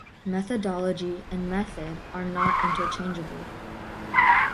"Methodology" and "method" are not interchangeable.